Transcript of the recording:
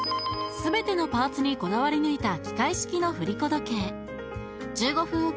全てのパーツにこだわり抜いた機械式の振り子時計１５分